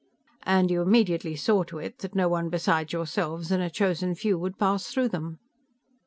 "And you immediately saw to it that no one besides yourselves and a chosen few would pass through them."